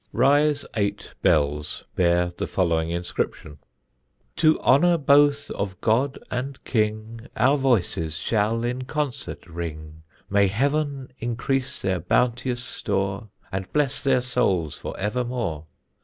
[Sidenote: EIGHT BELLS] Rye's eight bells bear the following inscription: To honour both of God and King Our voices shall in concert ring. May heaven increase their bounteous store And bless their souls for evermore.